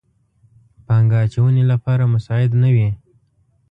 پانګه اچونې لپاره مساعد نه وي.